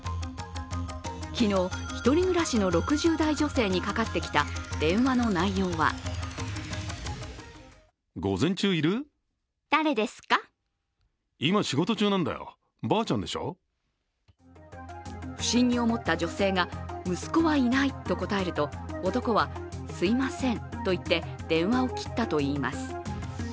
昨日、１人暮らしの６０代女性にかかってきた電話の内容は不審に思った女性が、息子はいないと答えると男はすいませんと言って電話を切ったといいます。